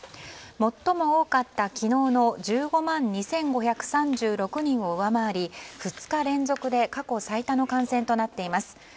最も多かった昨日の１５万２５３６人を上回り、２日連続で過去最多の感染となっています。